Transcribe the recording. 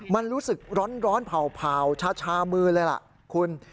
มันรู้สึกร้อนเผ่าชามือเลยล่ะคุณ